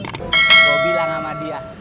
gua bilang sama dia